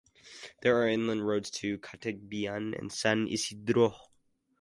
There are inland roads to Catigbian and San Isidro.